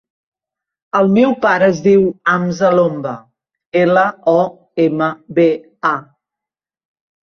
El meu pare es diu Hamza Lomba: ela, o, ema, be, a.